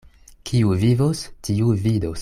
Kiu vivos, tiu vidos.